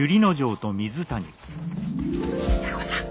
弥五さん！